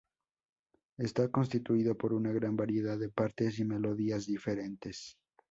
Está constituido por una gran variedad de partes y melodías diferentes.